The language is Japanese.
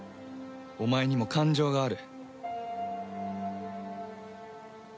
お前にも感情がある。